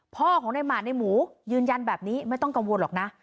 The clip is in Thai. พ่อของในหมาดในหมูยืนยันแบบนี้ไม่ต้องกังวลหรอกนะ